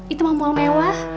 itu mah mall mewah